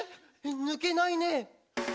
ぬけないねえ！！」